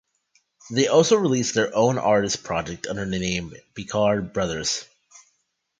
They also release their own artist project under the name Picard Brothers.